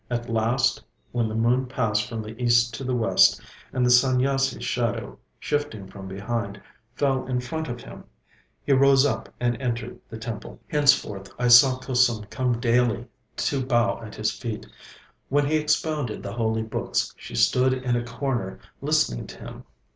At last when the moon passed from the east to the west, and the Sanyasi's shadow, shifting from behind, fell in front of him, he rose up and entered the temple. Henceforth I saw Kusum come daily to bow at his feet. When he expounded the holy books, she stood in a corner listening to him.